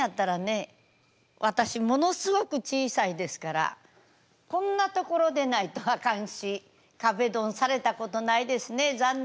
私ものすごく小さいですからこんな所でないとあかんし壁ドンされたことないですね残念ですね。